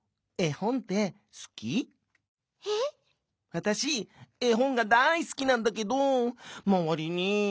わたしえほんがだいすきなんだけどまわりにえほんのす